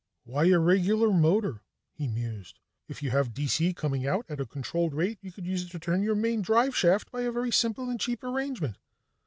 "Why a regular motor?" he mused. "If you have D.C. coming out at a controlled rate, you could use it to turn your main drive shaft by a very simple and cheap arrangement."